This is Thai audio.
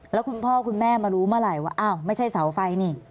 แล้วคุณพ่อคุณแม่มารู้มาไหลไม่ใช่เสาไฟนิ